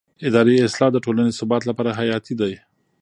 اداري اصلاح د ټولنې ثبات لپاره حیاتي دی